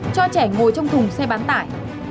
cho trẻ ngồi trong thùng xe bán tải